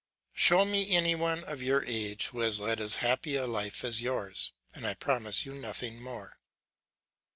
Show me any one of your age who has led as happy a life as yours, and I promise you nothing more."